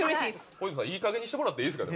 小泉さんいいかげんにしてもらっていいですか？